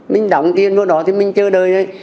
mình đọng tiền vô đó thì mình chơi đời đấy